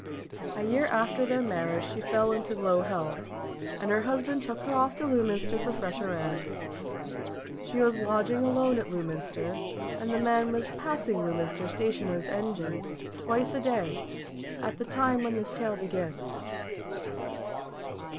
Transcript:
A year after their marriage she fell into low health, and her husband took her off to Lewminster for fresher air. She was lodging alone at Lewminster, and the man was passing Lewminster station on his engine, twice a day, at the time when this tale begins.